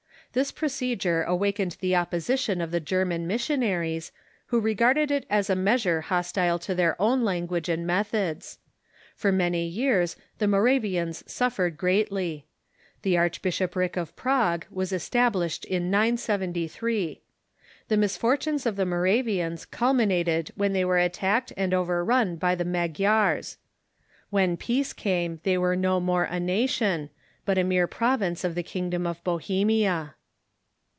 This procedure awakened the opposition of the German missionaries, who regarded it as a measure hostile to their own language and methods. For many years the Mora vians suffered greatly. The archbishopric of Prague was es tablished in 973. The misfortunes of the Moravians culmi nated Avhen they were attacked and overrun by the Magyars. When peace came they were no more a nation, but a mere province of the kingdom of Bohemia.